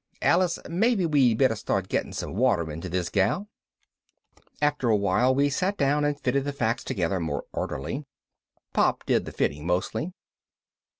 Alice, maybe we'd better start getting some water into this gal." After a while we sat down and fitted the facts together more orderly. Pop did the fitting mostly.